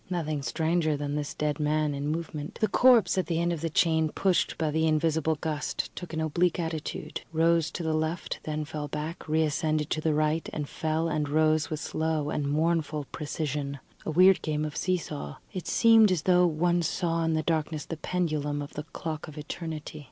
Nothing stranger than this dead man in movement. The corpse at the end of the chain, pushed by the invisible gust, took an oblique attitude; rose to the left, then fell back, reascended to the right, and fell and rose with slow and mournful precision. A weird game of see saw. It seemed as though one saw in the darkness the pendulum of the clock of Eternity.